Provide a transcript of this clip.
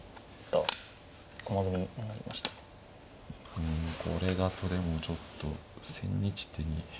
うんこれだとでもちょっと千日手に。